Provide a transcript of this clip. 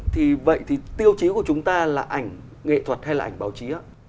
thì vậy thì tiêu chí của chúng ta là ảnh nghệ thuật hay là ảnh báo chí